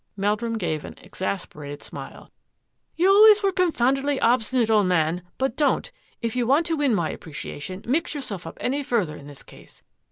Meldrum gave an exasperated smile. " You always were confoundedly obstinate, old man, but don't, if you want to win my appreciation, mix yourself up any further in this case.